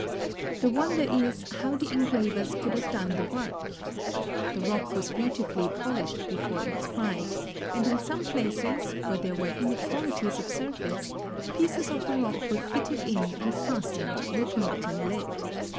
The wonder is, how the engravers could have done the work. The rock was beautifully polished before inscribed, and in some places where there were inequalities of surface, pieces of the rock were fitted in and fastened with molten lead.